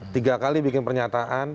tiga kali bikin pernyataan